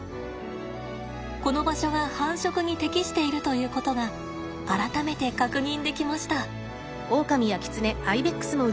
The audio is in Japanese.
この場所が繁殖に適しているということが改めて確認できました。